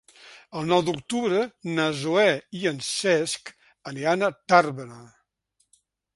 El nou d'octubre na Zoè i en Cesc iran a Tàrbena.